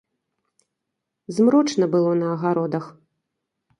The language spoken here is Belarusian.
Змрочна было на агародах.